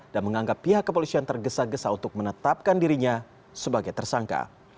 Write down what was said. dan menganggap pihak kepolisian tergesa gesa untuk menetapkan dirinya sebagai tersangka